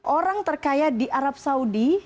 orang terkaya di arab saudi